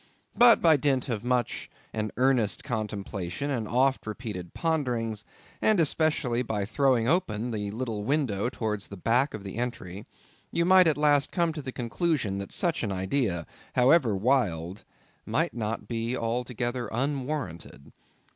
But by dint of much and earnest contemplation, and oft repeated ponderings, and especially by throwing open the little window towards the back of the entry, you at last come to the conclusion that such an idea, however wild, might not be altogether unwarranted.